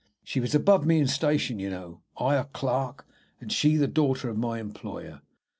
She was above me in station, you know I a clerk, and she the daughter of my employer.